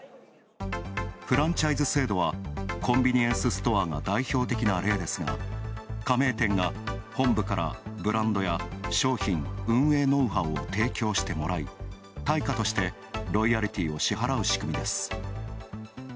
フランチャイズ制度はコンビニエンスストアが代表的な例ですが加盟店が本部からブランドや商品運営、ノウハウを提供してもらい対価としてロイヤリティを支払う仕組みです。